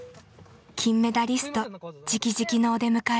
金メダリストじきじきのお出迎え。